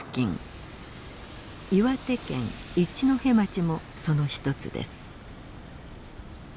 岩手県一戸町もその一つです。